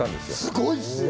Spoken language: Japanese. すごいですよ！